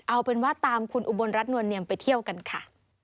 เอาเป็นว่าตามคุณอุบลรัฐนวลเนียมไปเที่ยวกันค่ะ